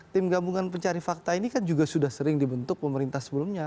tim gabungan pencari fakta ini kan juga sudah sering dibentuk pemerintah sebelumnya